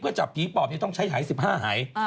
เพื่อจับผีปอบต้องใช้ไห๑๕หาย